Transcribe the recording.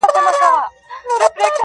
ځم د روح په هر رگ کي خندا کومه.